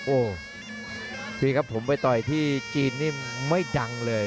โอ้โหนี่ครับผมไปต่อยที่จีนนี่ไม่ดังเลย